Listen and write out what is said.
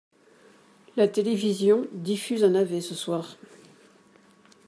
La télévision diffuse un navet ce soir